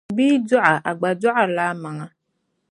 Bi yi dɔɣa,a gba dɔɣirila amaŋa.